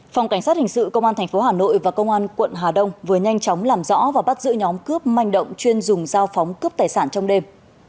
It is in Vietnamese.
phòng cảnh sát hình sự công an tp hà nội và công an quận hà đông vừa nhanh chóng làm rõ và bắt giữ nhóm cướp manh động chuyên dùng giao phóng cướp tài sản trong đêm